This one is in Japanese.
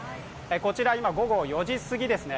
こちら、今、午後４時過ぎですね。